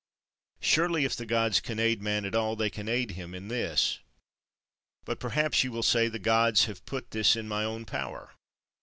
Surely, if the Gods can aid man at all, they can aid him in this. But perhaps you will say "the Gods have put this in my own power."